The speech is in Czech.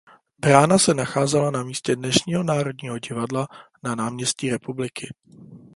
Brána se nacházela na místě dnešního Národního divadla na Náměstí republiky.